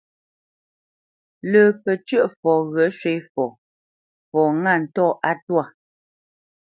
Lə́ pəcə̂ʼfɔ ghyə̂ shwé fɔ, fɔ ŋâ ntɔ̂ á twâ.